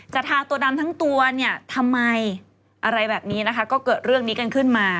ทาตัวดำทั้งตัวเนี่ยทำไมอะไรแบบนี้นะคะก็เกิดเรื่องนี้กันขึ้นมา